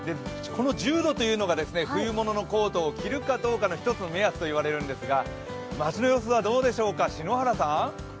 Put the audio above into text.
この１０度というのが冬物のコートを着るかどうかの１つの目安といわれるんですが、街の様子はどうでしょうか？